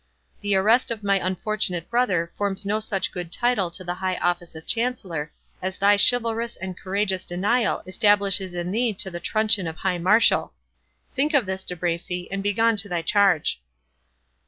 The arrest of my unfortunate brother forms no such good title to the high office of Chancellor, as thy chivalrous and courageous denial establishes in thee to the truncheon of High Marshal. Think of this, De Bracy, and begone to thy charge."